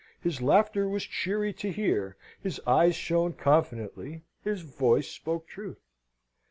His laughter was cheery to hear: his eyes shone confidently: his voice spoke truth.